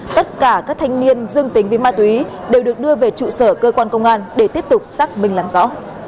tất cả các thanh niên dương tính với ma túy đều được đưa về trụ sở cơ quan công an để tiếp tục xác minh làm rõ